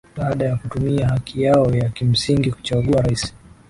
baada ya kutumia haki yao ya kimsingi kuchagua raisi